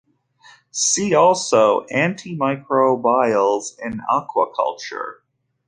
See also Antimicrobials in aquaculture.